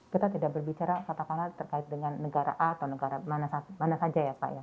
kita tidak berbicara katakanlah terkait dengan negara a atau negara mana saja ya pak ya